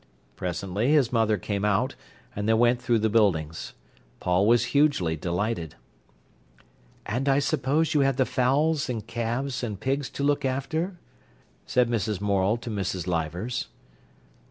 Presently his mother came out, and they went through the buildings. Paul was hugely delighted. "And I suppose you have the fowls and calves and pigs to look after?" said Mrs. Morel to Mrs. Leivers.